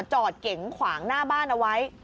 รถเก๋งขวางหน้าบ้านเอาไว้